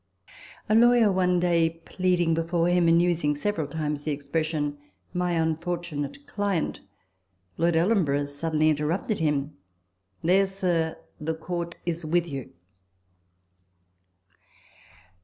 A lawyer one day pleading before him, and using several times the expression " my unfortunate client," Lord Ellenborough suddenly interrupted him " There, sir, the court is with you."